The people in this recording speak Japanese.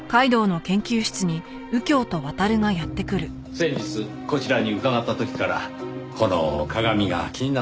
先日こちらに伺った時からこの鏡が気になっていました。